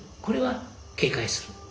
これは警戒する。